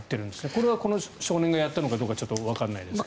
これはこの少年がやったのかどうかわからないですが。